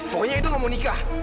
pokoknya itu gak mau nikah